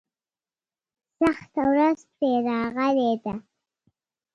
سخته ورځ پرې راغلې ده.